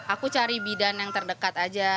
aku cari bidan yang terdekat aja